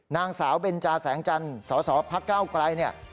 นางสาวเบนจาแสงจันทร์สสพักเก้าไกลเนี่ย